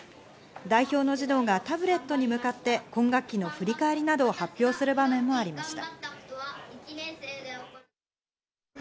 代表の児童がタブレットに向かって、今学期の振り返りなどを発表する場面もありました。